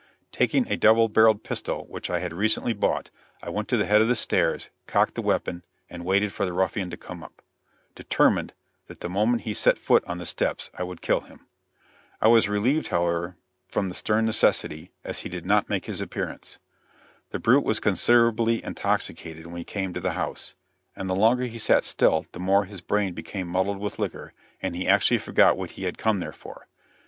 Taking a double barreled pistol which I had recently bought, I went to the head of the stairs, cocked the weapon, and waited for the ruffian to come up, determined, that the moment he set foot on the steps I would kill him. I was relieved, however, from the stern necessity, as he did not make his appearance. The brute was considerably intoxicated when he came to the house, and the longer he sat still the more his brain became muddled with liquor, and he actually forgot what he had come there for.